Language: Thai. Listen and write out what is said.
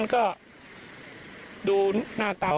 ก็ดูหน้าเตา